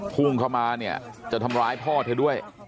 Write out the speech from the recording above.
พุ่งเข้ามาเนี่ยจะทำร้ายพ่อเธอด้วย